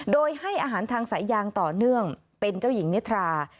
โดยให้อาหารทางสายยางต่อเนื่องเป็นเจ้าหญิงนิทรา